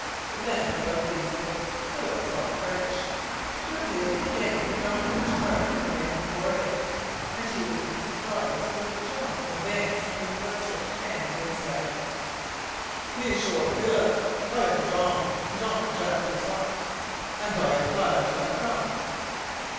Then, above these things, Philip saw the French. Swiftly it became the dominant part of the man before him, and he was not surprised when Jean advanced with outstretched hand, and said: "M'sieur Philip, I am Jean Jean Jacques Croisset and I am glad you have come."